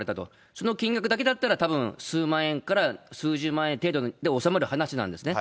その金額だけだったら、たぶん、数万円から数十万円程度で収まる話なんですね。